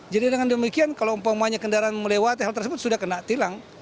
jadi dengan demikian kalau umpamanya kendaraan melewati hal tersebut sudah kena hilang